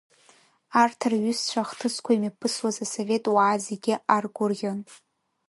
Арҭ рҩызцәа ахҭысқәа имҩаԥысуаз асовет уаа зегьы аргәырӷьон.